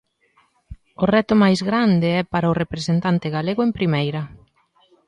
O reto máis grande é para o representante galego en Primeira.